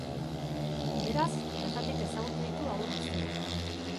Beraz, bertatik ezagutu ditu hauek guztiak.